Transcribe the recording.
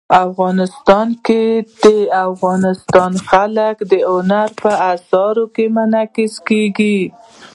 افغانستان کې د افغانستان جلکو د هنر په اثار کې منعکس کېږي.